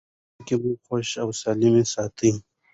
ټولنیزې اړیکې مو خوښ او سالم ساتي.